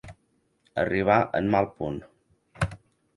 Arribar en mal punt.